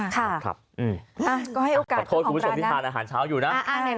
ก็ให้โอกาสของการนะขอโทษวิทยาลัยอาหารเช้าอยู่นะ